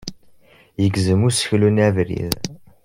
Yegzem useklu-nni abrid.